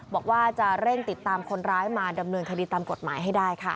บอกว่าจะเร่งติดตามคนร้ายมาดำเนินคดีตามกฎหมายให้ได้ค่ะ